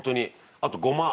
あとごま。